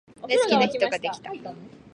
大好きな人ができた